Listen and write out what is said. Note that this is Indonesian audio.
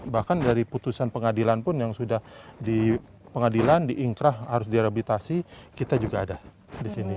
bahkan dari putusan pengadilan pun yang sudah di pengadilan diingkrah harus direhabilitasi kita juga ada di sini